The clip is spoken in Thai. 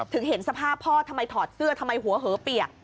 เห็นสภาพพ่อทำไมถอดเสื้อทำไมหัวเหอเปียก